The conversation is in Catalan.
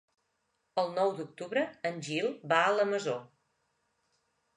El nou d'octubre en Gil va a la Masó.